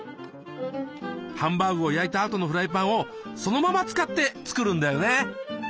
ハンバーグを焼いたあとのフライパンをそのまま使って作るんだよね。